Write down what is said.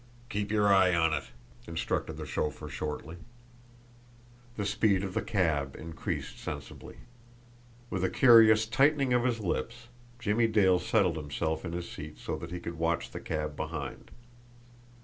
"Keep your eye on it!" instructed the chauffeur shortly. The speed of the cab increased sensibly. With a curious tightening of his lips, Jimmie Dale settled himself in his seat so that he could watch the cab behind.